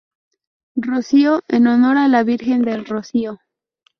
Rocío, en honor a la Virgen del Rocío.